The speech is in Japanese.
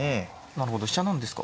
なるほど飛車なんですか。